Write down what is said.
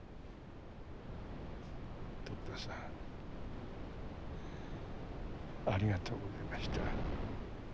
徳田さんありがとうございました。